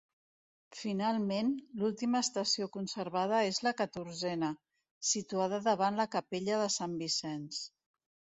Finalment, l'última estació conservada és la catorzena, situada davant la Capella de Sant Vicenç.